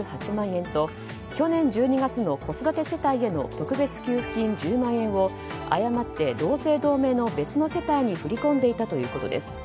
円と去年１２月の子育て世帯への特別給付金１０万円を誤って同姓同名の別の世帯に振り込んでいたということです。